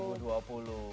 selamat tahun baru